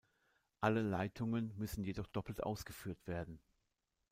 Alle Leitungen müssen jedoch doppelt ausgeführt werden.